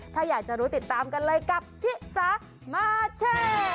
ถ้าอยากจะรู้ติดตามกันเลยกับชิสามาแชร์